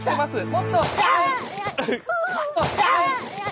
もっと。